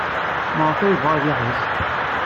Maɣef ay yebɣa ad yeḥbes?